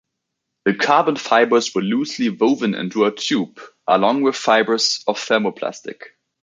The carbon fibers were loosely woven into a tube along with fibers of thermoplastic.